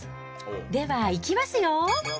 では、いきますよ。